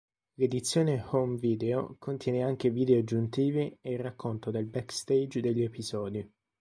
L'edizione home video contiene anche video aggiuntivi e il racconto del backstage degli episodi.